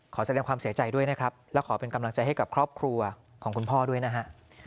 ขอแสดงความเสียใจด้วยนะครับและขอเป็นกำลังใจให้กับครอบครัวของคุณพ่อด้วยนะฮะ